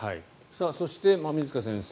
そして、馬見塚先生